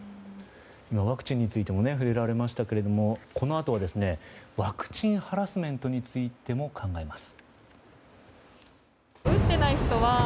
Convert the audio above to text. ワクチンについても触れられましたけどこのあとはワクチンハラスメントについても考えます。